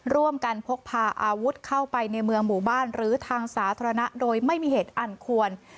ร่วมกันพกพาอาวุธเข้าไปในเมืองหมู่บ้านหรือทางสาธารณะโดยไม่มีเหตุอันควร